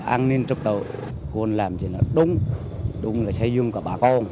an ninh trật tự cuốn làm gì là đúng đúng là xây dựng cả bà con